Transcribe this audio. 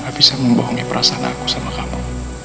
sudah gak bisa membohongi perasaan aku sama kamu